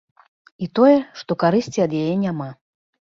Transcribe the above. І тое, што карысці ад яе няма.